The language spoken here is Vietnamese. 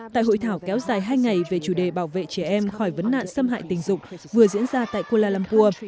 tại hội thảo kéo dài hai ngày về chủ đề bảo vệ trẻ em khỏi vấn nạn xâm hại tình dục vừa diễn ra tại kuala lumpur